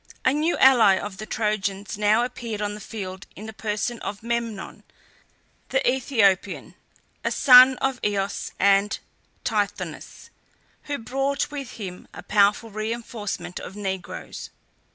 A new ally of the Trojans now appeared on the field in the person of Memnon, the AEthiopian, a son of Eos and Tithonus, who brought with him a powerful reinforcement of negroes.